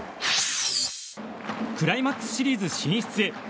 クライマックスシリーズ進出へ。